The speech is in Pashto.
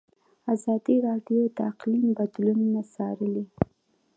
ازادي راډیو د اقلیم بدلونونه څارلي.